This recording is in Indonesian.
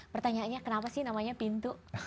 pertanyaannya kenapa sih namanya pintu